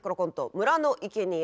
「村のいけにえ」。